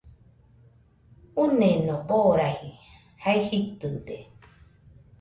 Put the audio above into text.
Uneno baraji, jea jitɨde